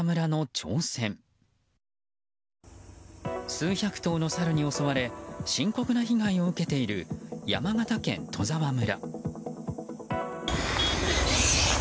数百頭のサルに襲われ深刻な被害を受けている山形県戸沢村。